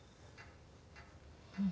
うん。